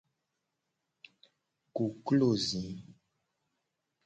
Koklo zi.